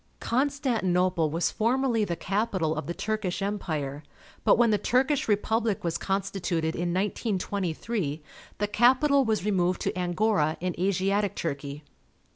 Constantinople was formerly the capital of the Turkish Empire, but, when the Turkish Republic was consti tuted in 1923, the capital was removed to Angora in Asiatic Turkey.